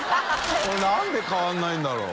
これ何で変わらないんだろう？